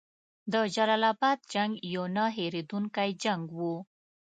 د جلال اباد جنګ یو نه هیریدونکی جنګ وو.